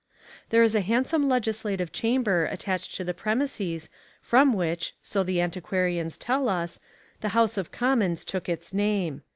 There is a handsome legislative chamber attached to the premises from which so the antiquarians tell us the House of Commons took its name.